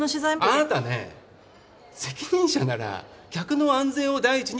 あなたね責任者なら客の安全を第一に。